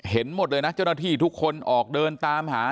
เห็นหมดเลยนะเจ้าหน้าที่ทุกคนออกเดินตามหา